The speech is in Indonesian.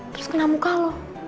terus kenamu kaluh